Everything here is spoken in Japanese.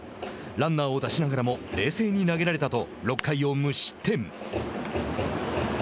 ランナーを出しながらも冷静に投げられたと６回を無失点。